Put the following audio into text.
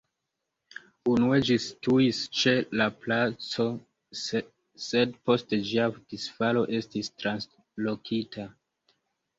Unue ĝi situis ĉe la placo, sed post ĝia disfalo estis translokita.